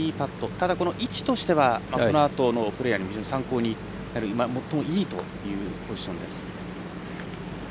ただ、位置としてはこのあとのプレーヤーの参考になる最もいいというポジションです。